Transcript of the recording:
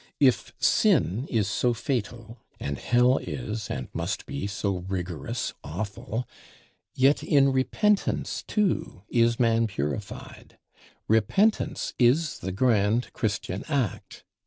If Sin is so fatal, and Hell is and must be so rigorous, awful, yet in Repentance too is man purified; Repentance is the grand Christian act.